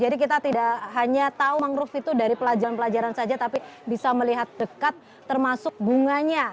jadi kita tidak hanya tahu mangrove itu dari pelajaran pelajaran saja tapi bisa melihat dekat termasuk bunganya